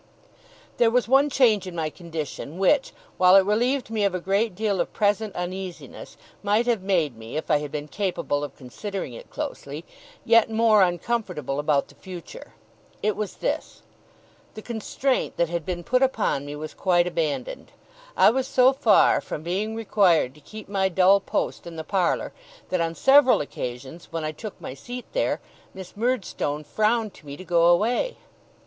There was one change in my condition, which, while it relieved me of a great deal of present uneasiness, might have made me, if I had been capable of considering it closely, yet more uncomfortable about the future. It was this. The constraint that had been put upon me, was quite abandoned. I was so far from being required to keep my dull post in the parlour, that on several occasions, when I took my seat there, Miss Murdstone frowned to me to go away.